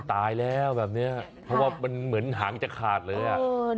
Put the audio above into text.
ตายแล้วแบบนี้เพราะว่ามันเหมือนหางจะขาดเลยอ่ะ